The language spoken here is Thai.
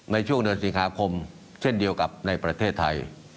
ในช่วงเดือนสิงหาคมเช่นเดียวกับในประเทศไทย